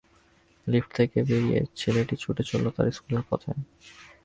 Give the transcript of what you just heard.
Lift থেকে বেরিয়ে ছেলেটি ছুটে চলল তার স্কুলের পথে।